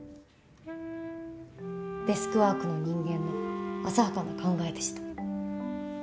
デスクワークの人間の浅はかな考えでした。